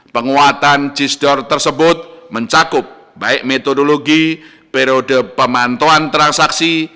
penguatan cisdor tersebut mencakup baik metodologi periode pemantauan transaksi